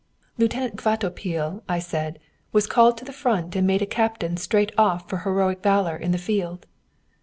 "Lieutenant Kvatopil," I said, "was called to the front and made a captain straight off for heroic valour in the field."